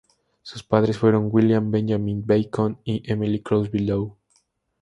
Sus padres fueron William Benjamin Bacon y Emily Crosby Low.